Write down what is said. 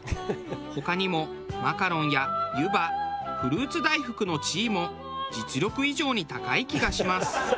他にもマカロンや湯葉フルーツ大福の地位も実力以上に高い気がします。